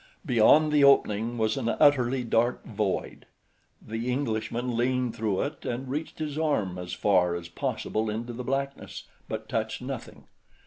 Beyond the opening was an utterly dark void. The Englishman leaned through it and reached his arm as far as possible into the blackness but touched nothing.